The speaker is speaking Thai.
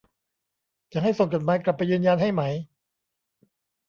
จะให้ส่งจดหมายกลับไปยืนยันให้ไหม